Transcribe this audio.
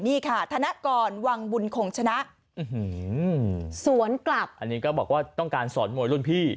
นี่ค่ะธนกรวังบุญคงชนะสวนกลับอันนี้ก็บอกว่าต้องการสอนมวยรุ่นพี่